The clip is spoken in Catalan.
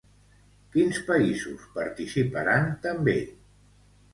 Quins països participaran també?